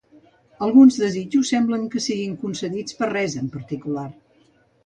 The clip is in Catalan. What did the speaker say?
Alguns desitjos semblen que siguin concedits per res en particular.